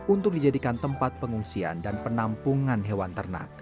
untuk dijadikan tempat pengungsian dan penampungan hewan ternak